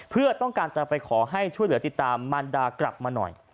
เพื่อต้องการจะไปขอให้ช่วยเหลือติดตามมันดากลับมาหน่อย